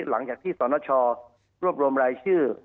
หลังจากที่สนชรวบรวมรายชื่อ